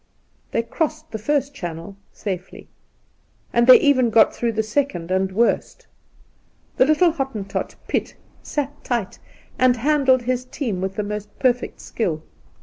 They crossed the first channel safely ; and they/ even got through the second and worst. The little Hottentot Piet sat tight, and handled his team with the most perfect skill.